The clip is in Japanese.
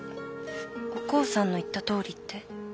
お光さんの言ったとおりって？